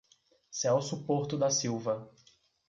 Celso Porto da Silva